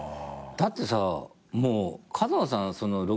だってさ角野さん